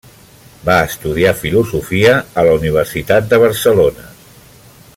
Va estudiar filosofia a la Universitat de Barcelona.